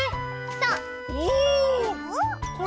そう！